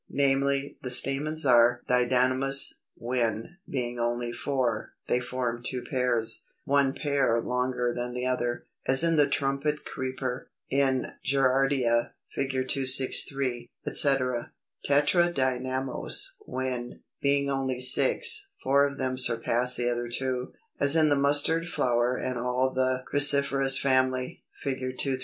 Namely, the stamens are Didynamous, when, being only four, they form two pairs, one pair longer than the other, as in the Trumpet Creeper, in Gerardia (Fig. 263), etc. Tetradynamous, when, being only six, four of them surpass the other two, as in the Mustard flower and all the Cruciferous family, Fig. 235.